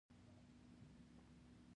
آهنګر وویل هره ورځ مو وژني بس دی نور.